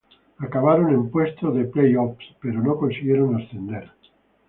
Acabaron en puestos de play-offs, pero no consiguieron ascender.